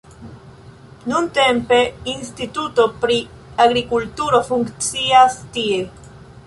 Nuntempe instituto pri agrikulturo funkcias tie.